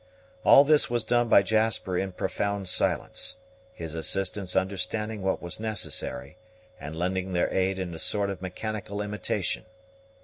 All this was done by Jasper in profound silence, his assistants understanding what was necessary, and lending their aid in a sort of mechanical imitation.